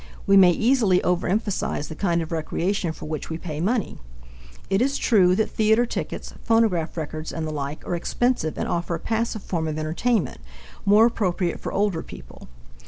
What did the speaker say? We may easily overemphasize the kind of recreation for which we pay money. It is true that theatre tickets, phonograph records, and the like are expensive and offer a passive form of entertainment, more appropriate for older people.